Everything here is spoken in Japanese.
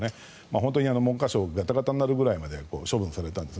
本当に文科省がガタガタになるぐらいまで処分されたんです。